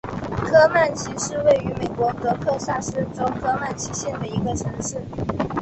科曼奇是位于美国得克萨斯州科曼奇县的一个城市。